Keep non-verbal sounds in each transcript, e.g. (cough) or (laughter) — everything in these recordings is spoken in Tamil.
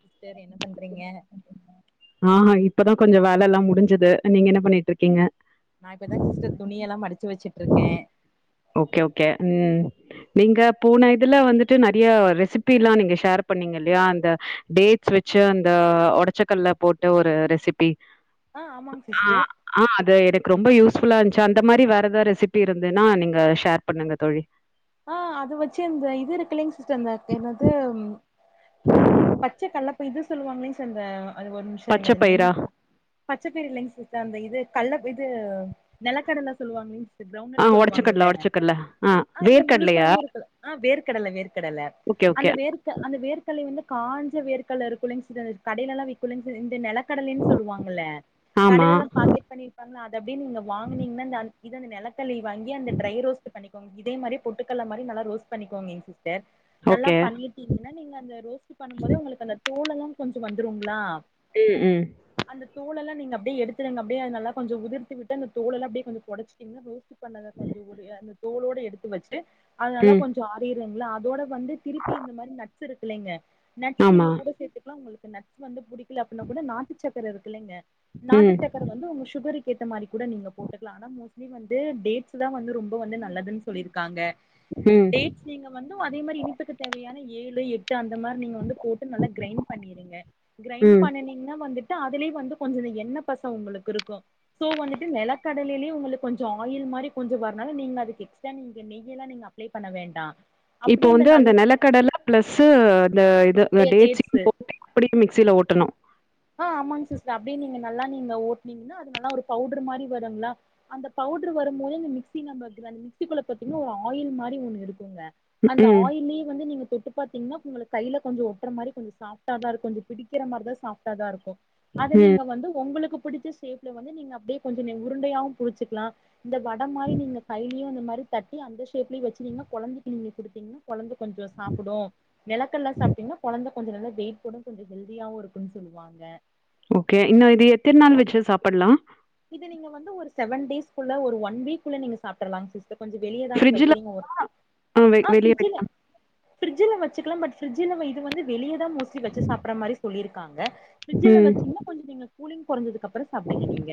சிஸ்டர் என்ன பண்றீங்க ஆஹ்ஹா இப்பதா கொஞ்ச வேல எல்லாம் முடிஞ்சுது நீங்க என்ன பண்ணிட்டு இருக்கீங்க நா இப்பதா சிஸ்டர் துணிய எல்லாம் மடிச்சு வச்சுட்டு இருக்கே ஓகே ஓகே ம் நீங்க போன இதுல வந்துட்டு நெறைய ரெசிபிலாம் நீங்க ஷேர் பண்ணீங்க அந்த டேட்ஸ் வச்சு அந்த உடைச்ச கடல போட்டு ஒரு ரெசிபி ஆ ஆமாங் சிஸ்டர் ஆஹ் ஆஹ் அது எனக்கு ரொம்ப யூஸ் ஃபுல்லா இருந்துச்சு அந்த மாதிரி வேற ஏதாது ரெசிபி இருந்துனா நீங்க ஷேர் பண்ணுங்க தோழி ட்டு அந்த என்னது பச்சைக்கல்ல இது சொல்லுவாங்க கிச்சன்ல அது ஒரு நிமிஷம் இருங்க பச்ச அந்த நேம் பயிரா பச்ச பயிர் இல்லைங்க சிஸ்டர் அந்த இது கல்ல இது நெலக்கடலை சொல்லுவாங்களே ஆ கிரௌண்ட்நட் சொல்லுவாங்கல ஒடச்சக்கடல ஒடச்சக்கடல ஆ இல்ல வேர்க்கடலையா முழுசாவே இருக்கும்ல ஆ வேர்க்கடல வேர்க்கடல ஓகே அந்த ஓகே வேர்க்க அந்த வேர்க்கடல ப்ப வந்து காஞ்ச வேர்கட்ல இருக்குல்ல சிஸ்டர் கடையிலல்லாம் விக்கும்ல இந்த நெலக் நெலகடலைன்னு சொல்லுவாங்கல ஆமா கடையிலல்லாம் பாக்கெட் பண்ணி விப்பாங்கல அது இத அப்டின்னு நீங்க வாங்கினீங்கன்னா இந்த அ இது அந்த நெலக் நெலகட்ல நீ வாங்கி அந்த ட்ரை ரோஸ்ட் பண்ணிக் இதே மாரி பொட்டுக்கள்ள மாரி நல்லா ரோஸ்ட் பண்ணிக்கோங்க டே நல்லா ஓகே பண்ணிட்டீங்கனா நீங்க அந்த ரோஸ்ட் பண்ணும்போதே உங்களுக்கு அந்த சோளெல்லா கொஞ்சோ வந்துருங்களா ம் ம் அந்த தோள் எல்லா நீங்க அப்படியே எடுத்துருங்க அப்டே நல்லா கொஞ்ச உதிர்த்து விட்டு அந்த தோல் எல்லா அப்டியோ கொஞ்சோ பொடச்டீங்கன வேஸ்ட் பன்னத கொஞ்சோ ஒரு எ அந்த தோலோடு எடுத்து வச் ட்டு அது நல்லா ம் கொஞ்சோ ஆறி இல்லெங்கள அதோட வந்து திருப்பி இந்த மாதிரி ந இருக்குகில்லைங்க நட்ஸ் ஆமா நீங்க கூட சேத்துக்லா உங்களு நட்ஸ் வந்து புடி கில ஆப்பிள்னா கூட நாட்டு சக் கர இருக்கு இல்லைங்க நாட்டு ம் சக்கர வந்து உங்க சுகருக் கேத்த மாதிரி கூட நீங்க போட்டுக்கலா ஆனா மேஸ்லி வந்து டேட்ஸ்தா வந்து ரொம்ப வந்து நல்லதுன் சொல்லிருக்காங்க ம் டேட்ஸ் நீங்க வந்து அதே மாதிரி இனிப்புக்கு தேவையான ஏழு எட் டு அந்த மாதிரி நீங்க வந்து போட்டு நல்லா கிரைண்ட் பண்ணிருங்க கிரைண்ட் ம். பண்ணனீங்கன்னா வந்துட் அதுலயு வந்து கொஞ்சோ எண்ண பச உங்களுக்கு இருக்கு சோ வந்துட்டு நிலக்கடலிலயே உங்களுக்கு கொஞ்சோ ஆயில் மாரி கொஞ்சோ வரால நீங்க அதுக்கு எக் டா நீங்க நெய் எல்லா நீங்க அப்ளை பண்ண வேண்டா இப்போ அப்டியே இந்த வந்து நல் அந்த நிலக்கடல பிளஸ்சு அந்த இது டே டேட்ஸையு டேட்ஸு போட்டு அப்படி மிக்ஸ் சில ஓட்டணு ஆ ஆமாங்க சிஸ் அப்டியே நீங்க நல்லா நீங்க ஓட்டனீங்கன்னா அது நல்லா ஒரு பவுடர் மாரி வருங்களா அந்த பவுடர் வரும் போது அந்த மிக்ஸி நம்ப கிரன் மிக்ஸிக்குள்ள பாத்தீங்கன்னா ஒரு ஆயில் மாரி ஒன்னு இருக்குங்க அந்த ம், ஆயில்லியே வந்து நீங்க தொட்டு பாத்தீங்கன்னா உங்களுக்கு கைல கொஞ்சோ ஒட்டுற மாரி கொஞ்சோ சாஃப்ட்டா தா இருக் கொஞ்சோ புடிக்கிற மாரி தா சாஃப் த த இருக்கு அத ம். நீங்க வந்து உங்களுக்கு புடிச்ச ஷேப்ல வந்து நீங்க அப்படியே கொஞ்சோ நெ உருண்டையாவு புடிச்சிக்கலா இந்த வட மாரி நீங்க கைலியு இந்த மாரி தட்டி அந்த ஷேப்லயு வச்சுருனீங்க கொழந்தைக்கு நீங்க குடுத்தீங்கனா கொழந்த கொஞ்சோ சாப்புடு நெலக்கல்ல சாப்ட்டீங்கனா கொழந்த கொஞ்சோ நல்ல வெயிட் போடு கொஞ்சோ ஹெல்தியாவு இருக்கு சொல்லுவாங்க ஓகே இன்னு இது எத்தன் நாள் வச்சு சாப்பிட்லா இது நீங்க வந்து ஒரு செவன் டேஸ்க்குள்ள ஒரு ஒன் வீக்குள்ள நீங்க சாப்ட்டறல்லாங் சிஸ் இத கொஞ்சோ வெளியே தானே ஃப்ரிட்ஜ்ல வைக்கிறீங்க வெ ஆ வெளிய ஃபிரிட்ஜ்ல வைக்கலாம். ஃபிரிட்ஜ்ல வச்சுக்கலா பட் ஃபிரிட்ஜில இது வந்து வெளியதா மோஸ்ட்லி வச்சி சாப்ட்றா மாரி சொல்லிருக்காங்க ஃபிரிட்ஜில ம். வச்சீங்கன்னா கொஞ்ச நீங்க கூலிங் குறைசதுக்கப் அப்பற சாப்பிடிடுங்க நீங்க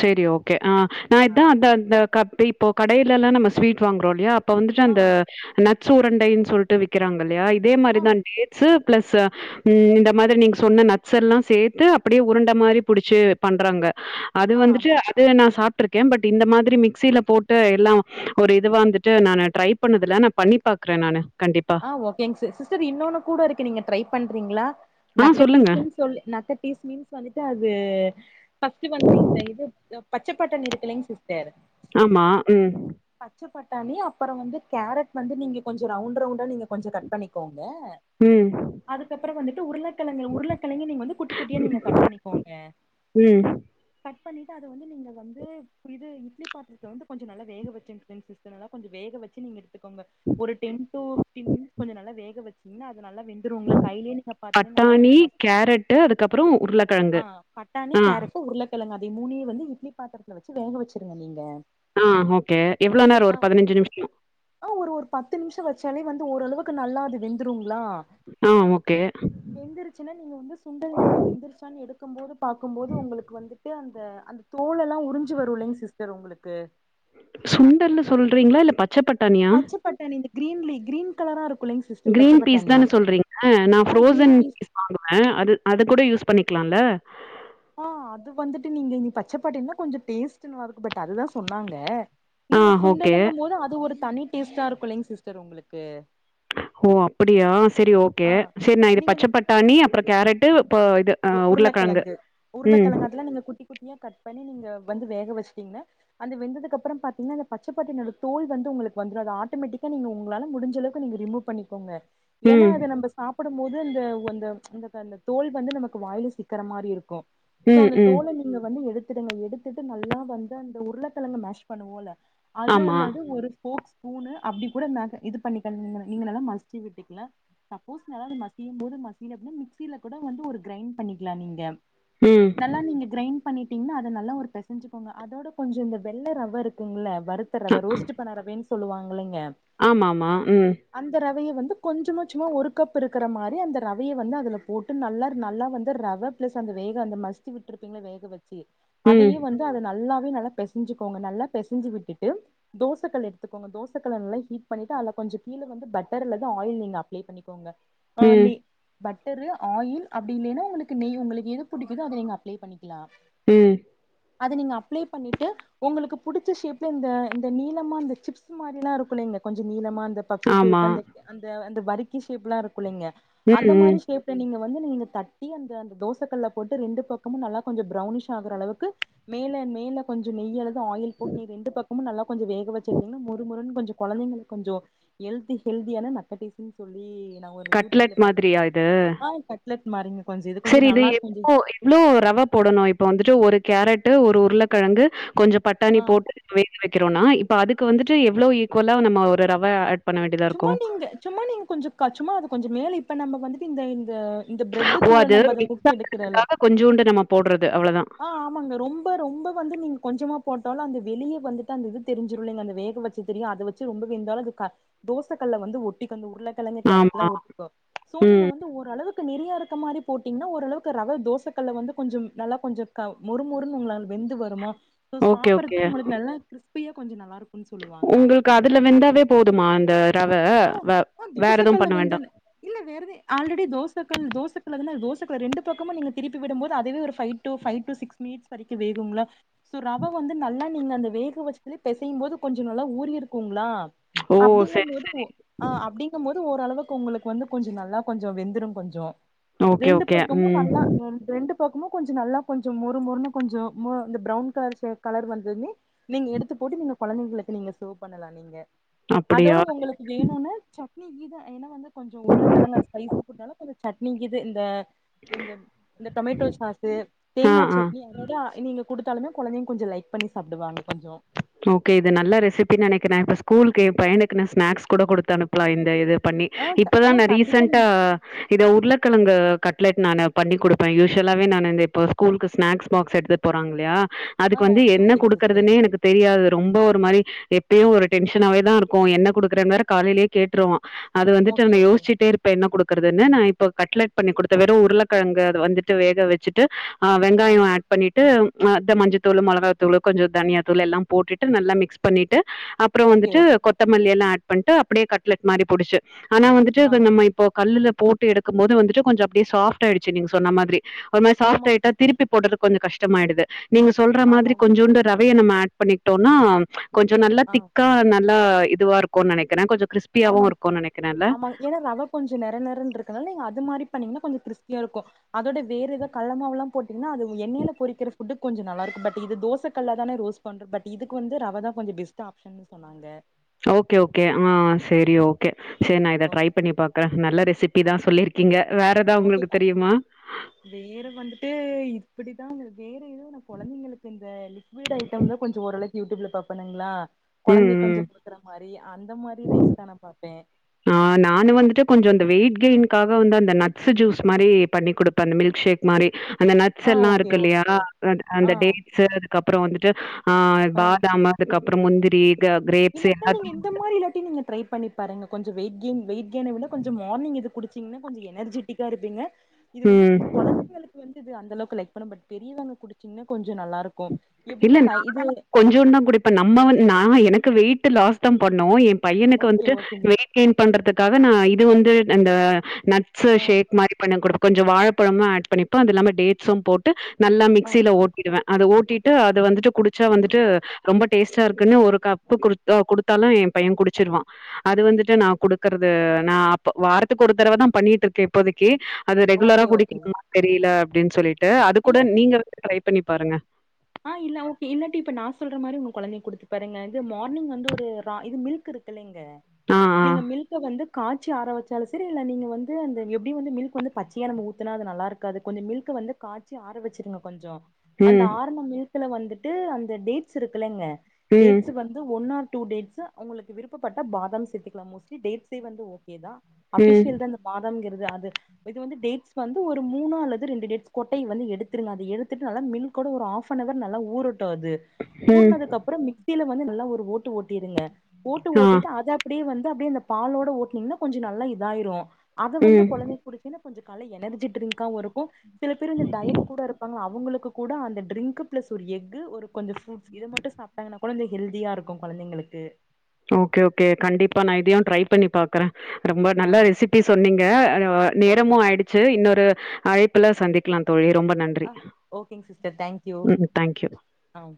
செரி ஓகே ஆ ஆ இதான் அந்த அந்த கப் டைப்போ இப்போ கடையிலல்லா நம் ஸ்வீ்ட் வாங்குறோயில்லையா இப்ப வந்துட்டு ஆ அந்த (unintelligible) சூவருண்டைன்னு சொல்ட்டு விக்காறாங்கில்லையா இப் அதே ஆ மாதிரிதான் இச்சு ப்ளஸ்ஸு ம் இந்த மாதிரி நீங்க சொன்ன நட்ஸ்ஸெல்லா சேத்து அப்படியே உருண்ட மாதிரி புடிச்சு பண்றாங்க அது ஆ வந்துட்டு அதே நான் சாப் இருக்கேன் பட் இந்த மாதிரி மிக்ஸில போட்டு எல்லா ஒரு இதுவா வந்துட்டு நானு ட்ரை பண்ணதில்ல நா பண்ணி பாக்குறே நானு கண்டிப்பா. ஆ ஓகேங்க சிஸ் சிஸ்டர் இன்னொன்னு கூட இருக்கு நீங்க ட்ரை பண்றீங்களா ஆ சொல்லுங்க. நக்கட்டீஸ்ன்னு சொல்லி நக்கட்டீஸ் மீன்ஸ் வந்துட்டு அது ஃபஸ்ட் வந்துட்டு இந்த இது (unintelligible) பச்சப்பட்டாணி இருக்கல சிஸ் ஆமா ம் பச்ச பட்டாணி அப்பற வந்து கேரட் வந்து நீங்க கொஞ்சோ ரவுண்ட் ரவுண்ட் (unintelligible) நீங்க கொஞ்சோ கட் பண்ணிக்கோங் ம். அதுக்கப்பற வந்து உருளக் கெழங்கு உருளக்கெழங்கயு நீங்க வந்து குட்டி குட்டிய நீங்க கட் பண்ணிக்கோங்க ம். கட் பண்ணிட்டு அத வந்து நீங்க வந்து இது இட்லி பாத்திரத்துல கொஞ்சோ நல்லா வேக வச்சிக்கிட்டே சிஸ்டர் அதனால கொஞ்சோ வேக வெச்சி நீங்க எடுத் (unintelligible) ஒரு டென் டூ மீன் கொஞ்சோ நல்லா வேக வச்சிங்னா அத் அது நல்லா வெந்துருங்ள கையிலேயே (unintelligible) நல்லா பட்டாணி, உங்களுக்கு நஸ் கேரட்டு அதுக்கப்புறம் அ உருளைக்கிழங்கு. பட்டாணி ஆ. கேரட் உருளக்கிழங்கு அத் அதே மூணே வந்து இட்லி பாத்திரத்துல வச்சு வேக வச்சுருங்க நீங்க ஆ ஓகே எவ்ளோ நேரோ ஆ ஒரு பதினைஞ்சு நிமிஷ் ஆ, ஒரு ஒரு பத்து நிமிஷோ (unintelligible) வச்சாலே வந்து ஓரளவுக்கு நல்லா அது வெந்துருங் லா ஆ ஓகே. வெந்தருச்சுன்னா நீங்க வந்து சுண்டல் நீங்க வெந்தருச்சான் எடுத் க்குபோது பாக்கும்போது உங்களுக்கு வந்துட்டு அந்த அந்த தோல் எல்லா உறிஞ்சு வரும் இல்லைங் சிஸ்டர் உங்களுக்கு சுண்டர்ல சொல்றீங்களா இல்ல பச் ச்சப்பட்டாணியா. கிரீன்லீ கிரீன் கலரா இருக் கிரீன் பீஸ் தானு சொல்றீங்க நா ஆ கிரீன் ஃப்ரோசன் பீஸ் வாங்குவ அது அத கூட யூஸ் பண்ணிக் க்லால ஆ அது வந்துட்டு நீங்க நீ பச்சப்பட்டாணினா கொஞ்ச டேஸ்ட் நல்லா இருக்கு பட் அதுதா சொன்னாங்க. ஆ நீங்க ஓகே. சுண்டலுங்க போது அது ஒரு தனித் டேஸ்ட்டா இருக்குல்லைங் சிஸ்டர் உங்களுக்கு. ஓ அப்படியா செரி ஓகே ஆ செரி நா இது பச்ச பட்டாணி அப்ற கேரட். ட்டு உ உருளக்கெழங்கு ம். உருளக்கெழங்கு அதல்லா குட்டி குட்டியா கட் பண்ணி நீங்க வந்து வேக வச்சு திங்ன அந்து வெந்ததுக்கு அப்றோ பாத்தீங்கனா அந்த பச்சப்பட்டாணியோட தோல் வந்து உங்களுக்கு வந்துரு அது ஆட்டோமெட்டிக்கா நீங்க உங்களால முடிஞ்சளவுக்கு ரிமுவ் பண்ணிக்கோங்க. ஏன்னா ம். அத நம்ப சாப்புட் ந்து போது அந்த (unintelligible) தோல் வந்து நமக் க்கு வாயில சிக்குற மாரி இருக்கும். சோ ம். அந்த ம். தோல நீங்க வந்து எடுத் (unintelligible) எடுத்துட்டு நல்லா வந்து அந்த உருளக்கழங்க மேஷ் பண்ணுவோல. அது ஆமா. அல்லது ஒரு ஃபோக்ஸ் ஸ்பூன்னு அப்டி கூட மேக் இது பண்ணிக்க (unintelligible) நீங்கள் நல்லா மசிச்சு விட்டுக்கலா சப்போஸ் நல்லா மசியும் போது மசில அப்டின்னா மிக்சில கூட வந்து ஒரு கிரைண்ட் பண்ணிக்கலா நீங்க. ம். நல்லா நீங்க கிரைண் பண்ணிட்டீங்ன்னா அத நல்லா ஒரு பெசஞ்சுகோங்க அதோட கொஞ்ச இந்த வெள்ள ரவ இருக்குங்கள. வருத்த அ ரவ ரோஸ்ட் பண்ண ரவென்ஸ் சொல்லுவாங். ஆமாமா உம். அதைய வந்து கொஞ்சமா சும்மா ஒரு கப் இருக்குற மாரி அந்த ரவய வந்து அதுல போட்டு நல்லா நல்லா வந்து ரவ பிளஸ் அந்த வேக அந்த மசுச் விட்ருப்பிங்கல வேக வச் (unintelligible) ம். அதையே வந்து அத நல்லா நல்லா பெசஞ்சுகோங்க நல்லா பெசஞ்சு விட்டுட்டு தோசக்கல் எடுத்துக்கோங்க தோசக்கல்ல நல்லா ஹீட் பண்ணிட்டு அதுல கொஞ்சு கீழ வந்து பட்டர் இல்லனா ஆயில் நீங்க அப்ளை பண்ணிக்கோங்க. ஆ ம். நி பட்டரு ஆயில் அப்டி இல்லைனா உங்களுக்கு நெய் உங்களுக்கு எது புடிக்கிதோ அத நீங்க அப்ளை பண்ணிக்கலா. உம். அத நீங்க அப்ளை பண்ணிட்டு உங்களுக்கு புடிச்ச ஷேப்ல இந்த இந்த நீளமா இந்த சிப்ஸ் மாரிலா இருக்குளைங்க கொஞ்சு நீளமா ஆமா. (unintelligible) அந்த அந்த வரிக் கி ஷேப்லா இருக் குள்ளங்க ம். அந்த ம். மாரி ஷேப்ல நீங்க வந்து நீங்க தட்டி அந்த அந்த தோச கல்ல போட்டு ரெண்டு பக்கமு நல்லா கொஞ்சு பிரௌனிஷ் ஆகற அளவுக்கு மேல மேல கொஞ்சு நெய் அல்லது ஆயில் போட்டு நீ ரெண்டு பக்க (unintelligible) நல்லா கொஞ்சு வேக வச்சியேடுத்திங்கன்னா மொரு மொருன்னு கொஞ்சு கொழந்தைங்களு கொஞ்சு ஹெல்தி ஹெல்தியான நக்கடீசுன்னு சொல்லி நா ஒரு யூடியூப்ல கட்லட் பாத்த மாதிரியா கலரு இது? ஆ (unintelligible) லட் மாறிங்க சரி இது எப்போ எவ்ளோ ரவ போடணு இப்ப வந்துட்டு ஒரு கேரட் ஒரு உருளைக்கெழங்கு கொஞ்சு பட்டாணி ஆ போட்டு வேக வைக்கிறோனா இப் இப்ப அதுக்கு வந்துட்டு எவ்ளோ ஈக்குவலா நம்ம ஒரு ரவ அட் சும்மா நீங்க சும்மா நீங்க கொஞ்சு சும்மா அது கொஞ்சு மேல இப்ப நம்ம வந்துடு இந்த இந்த பிரெட்டு ஓ தூள அது நம்ம அத முக்கி எடுக்கிறல (unintelligible) கொஞ்சூண்டு நம்ம போடுறது அவ்ளோதா ஆ ஆமாங்க ரொம்ப ரொம்ப வந்து நீங்க கொஞ்சமா போட்டாலு அந்த வெளியே வந்துட்டு அந்த இது தெரிஞ்சிருல்லைங்க அந்த வேக வச்சு தெரியு அத வச்சு ரொம்ப வேந்தாலு அது க தோச கல்ல வந்து ஒட்டிக்கு அந்த உருளை கெலங்கு கேரட்லா ஆமா. உருட்டிக்கோ சோ நீங்க ம். வந்து ஓரளவுக்கு நெறியா இருக்க மாரி போட்டீங்ன்னா ஓரளவுக்கு ரவ தோசக்கல்ல வந்து கொஞ்சும் நல்லா கொஞ்சு க முறுமுருன்னு உங்களால வெந்து வருமா சோ ஓகே, சாப்பிறதுக்கு உங்களுக்கு நல்லா இருக்கு இல் பிய கொஞ்சு நல்லா இருக்கு உங்குளுக்கு அதுல வெந்தாவே போதுமா இந்த ரவ ஆ வ அ வேற தோச எதுவும் கல்ல பண்ண வேண்டாம். வெந்தான இல்ல வேறது ஆல்ரடி தோசை கல் தோசைக்கல்லதன அ தோச (unintelligible) ரெண்டு பக்கமு நீங்க திருப்பி விடும்போது அதுவே ஒரு five to five to six minutes வரைக்கு வேகும்ல சோ ரவ வந்து நல்லா நீங்க அந்த வேகவச்சிதிலேயே பெசையும் போது கொஞ்சு நல்லா ஊரிருக்குங்களா ஓ! அப்படிங்க சரி. மோது ஆ அப்படிங்கும் போது ஓரளவுக்கு உங்களுக்கு வந்து கொஞ்சு நல்லா கொஞ்சு வெந்துரும் கொஞ்சு ஓகே, ரெண்டு ஓகே. பக்கமு ம். நல்லா ரெண்டு பக்கம கொஞ்ச நல்லா கொஞ்ச மொறு மொறுன்னு கொஞ்ச இந்த ப்ரவுன் கலர் செக் கலர் வந்ததுமே நீங்க எடுத்து போட்டு நீங்க குழந்தைங்களுக்கு நீங்க சேவ் பண்ணலா நீங்க அப்படியா இன்னொன்னு சட்னி கீத ஏன்னா வந்து கொஞ்சம் உருளைக்கிழங்க ஸ்பைசி போனாலும் கொஞ்சம் சட்னி கீது இந்த இந்த இந்த டொமேட்டோ சாசு ஆ, தேங்கா ஆ. சட்னி அதோட நீங்க கொடுத்தாலமே குழந்தைங்க கொஞ்ச லைக் பண்ணி சாப்பிடுவாங்க கொஞ்ச ஓகே இது நல்ல ரெசிபின்னு நினைக்குற இப்ப ஸ்கூலுக்கு எ பையனுக்கு ஸ்நாக்ஸ் கூட கொடுத்து அனுப்புலா இந்த இது பண்ணி ஆ க- ஆ இப்பதா கண்டிப்பா ரீசன்டா நீங்க இத உருளைக்கிழங்கு கட்லட் நானு பண்ணி குடுப்ப யூசுவலாவே நானு இந்த இப்ப ஸ்கூலுக்கு ஸ்நாக்ஸ் பாக்ஸ் எடுத்துட் போறாங்கல்லையா ஆ அதுக்கு வந்து ஓகே என்ன ஓகேங்க சிஸ்டர் குடுக்குறதுன்னே எனக்கு அது ரொம்ப ஒரு மாரி எப்பயு ஒரு டென்ஷனாவே தா இருக்கு என்ன குடுக்குறனு வேற காலைலயே கேட்டுருவா அது வந்துட்டு ஓகே நா ஓகே யோசிச்சிட்டே இருப்பேன் என்ன குடுக் கிறதுனு நா இப்ப கட்லட் பண்ணி குடுத்த வெறு உருளக்கெழங்கு அது வந்துட்டு வேகவச்சுட்டு ஆ வெங்காயம் ஆட் பண்ணிட்டு ஆ இந்த மஞ்சத் தூளு மொளகா தூளு கொஞ்ச தனியா தூள் எல்லாம் போட்டுட்டு நல்லா மிக்ஸ் பண்ணிட்டு அப்புறம் ஓகே வந்துட்டு ஓகே கொத்தமல்லி எல்லா ஆட் பண்ட்டு அப்டியே கட்லட் மாரி புடிச்சு ஆனா வந்துட்டு ஆ அத நம்ம இப்போ கல்லுல போட்டு எடுக்கும் போது வந்துட்டு கொஞ்ச அப்டியே சாப்ட் ஆயிடுச்சு நீங்க சொன்ன மாதிரி ஒரு மாரி சாப்ட் ஆமாங்க ஆயிட்டா சிஸ்டர் திருப்பி போடுறது கொஞ்ச கஷ் ஷ்டமாயிடுது நீங்க சொல்ற மாதிரி ஆமாங்க கொஞ்சோண்டு ரவ் வே நம்ம ஆட் பண்ணிட்டோன்னா கொஞ்ச நல்ல ஆ திக்கா நல் நல்லா இதுவா இருக்குனு நெனைக்கிற கொஞ்ச ஆமாங்க ஆமாங்க ஏன்னா ரவ கொஞ்ச நெற நெறன்னு இருக்கனால நீங்க அது மாதிரி பன்னீங்கன்னா கொஞ்சம் கிறிஸ்பியாருக்கு அதோட வேற ஏதாது கல மாவ்லா போட்டீங்கனா அது எண்ணைல பொறிக்கிற புட்டு கொஞ்ச நல்லாருக்கும் பட் இது தோச கல்ல தானே ரோஸ் பண்றோ பட் இதுக்கு வந்து ரவதா கொஞ்ச பெஸ்ட் ஆப்ஷன்ன்னு சொன்னாங்க ஓக்கே ஓக்கே ஆ சரி ஓக்கே சேரி நா இத ட்ரை ஓகே பண்ணி பாக்றே நல்ல ரெசி இதா சொல்லிருக்கீங்க வேற எதா ஓக்கே உங்களுக்கு பர் தெரியுமா வேற வந்துட்டு இப்டிதா வ வேற எதும் நா கொழந்தைங்களுக்கு இந்த லிக்விட் ஐட்டம்ல கொஞ்சம் ஓரளவ் யூடியூப்ல பாப்பெனுங்களா ம் கொழந்தைக் ம். கொஞ்சம் குடுக்குற மாரி அந்த மாரி ரைஸ் தா நா பாப்பே கெய்ன்காக வந்து அந்த நட்ஸ் ஜூஸ் மாரி பண்ணி குடுப்பே அந்த மில்க் ஷேக் மாரி அந்த நட்ஸ் ஆ எல்லா ஓகே இருக்குல்லையா ஓகே அது அந்த ஆ டேட்ஸ் அதுக்குப் அப்புறோ வந்துட்டு ஆஹ் பாதாம் அதுக்கப் அப்புற முந்தி பே இல்லக்கா நீங்க இந்த மாரி இல்லாட்டியும் நீங்க ட்ரை பண்ணி பாருங்க கொஞ்ச வெயிட் கெயின் வெயிட் கெய்ன விட கொஞ்ச மார்னிங் இது குடிச்சீங்கன்னா கொஞ்ச எனர்ஜெட்டிக்கா இருப்பீங்க இது வந்து ம். கொழந்தைகளுக்கு வந்து இது அந்த அளவுக்கு லைக் பண்ணும் பட் பெரியவங்க குடுச்சின்ன்னா கொஞ்ச நல்லா இருக்கும் இல்ல நா கொஞ்சோன்தா குடிப்ப நம்ம நா எனக்கு வெயிட் லாஸ் தா பண்ணு எம் பையனுக்கு ஓகே வந்துட்டு ஓகேங்க வெயிட் கெயின் பண்றதுக்காக நா இது வந்து அந்த நட்ஸ் ஆ ஷேக் மாரி பண்ண கொடு கொஞ்சம் வாழைப்பழமு ஆட் பண்ணிப்பே அது இல்லாம டேட்ஸும் போட்டு நல்லா ஆ மிக்சில ஓட்டிடுவே அத ஓட்டிட் டு அது வந்துட்டு குடிச்சா வந்துட்டு ரொம்ப டேஸ்ட்டா இருக்குனு ஒரு கப்பு கு குடுத்தாலு என் பையன் குடிச்சீர்வா அது வந்துட்டு நா குடுக்கறது நா அப்ப வாரத்துக்கு ஒரு தடவ தா பண்ணிட்டுருக்கே இப்போதைக்கு அது ரெகுலரா ஓகே ஓகே குடிக்கணுமா தெரில டினு சொல்லிட் டு அது கூட நீங்க வந்து ட்ரை பண்ணி பாருங்க ஆஹ் இல்ல ஓகே இல்லாட்டி இப்ப நா சொல்ற மாரி உங்க கொழந்தைக்கு குடுத்து பாருங்க இது மார்னிங் வந்து ஒரு ரா இது மில்க் இருக்கு இல்லங் ஆ, ஆ. நீங்க மில்க்க வந்து காச்சி ஆர வச்சாலு சரி இல்ல நீங்க வந்து அந்த எப்டியு வந்து மில்க் வந்து பச்சையா நம்ம ஊத்துனா அது நல்லாருக்காது கொஞ்ச மில்க்க வந்து காச்சி ஆர வச்சுருங்க கொஞ்சோ உம் மில்க்குல வந்துட்டு அந்த டேட்ஸ் இருக்குல்லங்க ம் டேட்ஸ் வந்து ஒன் ஆர் டூ டேட்ஸ் உங்களுக்கு விருப்பப்பட்ட பாதம் சேத்துக்கலாம் மோஸ்லி டேட்ஸே வந்து ஓ கே தா ம் அபிஷியல் தா இந்த பாதாம்ங்கறது து அது இது வந்து டேட்ஸ் வந்து ஒரு மூணு அல்லது ரெண்டு டேட்ஸ் கொட்டைய வந்து எடுத்துருங்க அத எடுத்துட்டு நல்லா மில்கோட ஒரு ஆஃப் ஹாஃவனவர் நல்லா ஊருட் டாது ம் ஊர்னதுக்கு அப்பறோ மிக் மிக்சில வந்து நல்லா ஒரு ஓட்டு ஓட்டிடுங்க ஓட்டு ஆ ஓட்டிட்டு அத அப்டியே வந் த அப்டியே அந்த பாலோட ஓட்டனீங்கன்னா கொஞ்ச நல்லா இதாயிரு அத வந்து ம் கொழந்தைக்கு குடுதீனா கொஞ்ச கால எனர்ஜி ட்ரிங்காவு இருக்கு சில பேர் இந்த டயட் கூட இருப்பாங்க அவ் அவங்களுக்கு கூட அந்த ட்ரிங் க் பிளஸ் ஒரு எஃகு ஒரு கொஞ்ச புரூட்ஸ் இத மட்டும் சாப்டாங்னா கொழந்த ஹெல்தியா இருக்கு கொழந்தைங்களுக்கு ஓகே ஓகே கண்டிப்பா நா இதயு ட்ரை பண்ணி பாக்குறே ரொம்ப ஆ நல்ல ரெசிபி சொன்னீங்க அ ஓகே நேரமு ஆயிடுச்சு இன்னொரு அழைப்பில சந்திக்கலா தோழி ரொம்ப நன்றி அஹ் ஓகேங்க சிஸ்டர் தேங்க்யூ ம் தேங்க்யூ ஆஹ்.